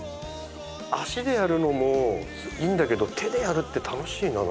足でやるのもいいんだけど手でやるって楽しいな何か。